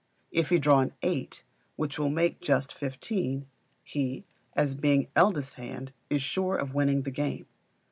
If he draw an eight, which will make just fifteen, he, as being eldest hand, is sure of winning the game.